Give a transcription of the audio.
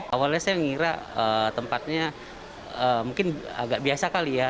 awalnya saya mengira tempatnya mungkin agak biasa kali ya